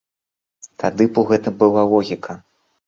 Тады б у гэтым была логіка.